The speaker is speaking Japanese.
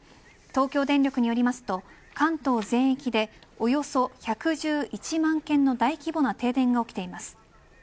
東京電力によると関東全域でおよそ１１１万軒の大規模な停電が起きています。